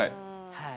はい。